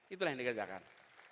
itulah yang dikerjakan